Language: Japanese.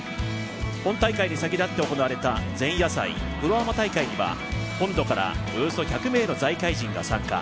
本大会に先立って行われた前夜祭、プロアマ大会には本土からおよそ１００名の財界人が参加。